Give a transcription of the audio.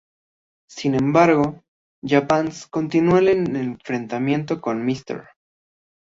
Sin embargo, Japanese continuó el enfrentamiento con Mr.